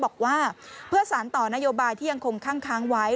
บอกว่าเพื่อสารต่อนโยบายที่ยังคงคั่งค้างไว้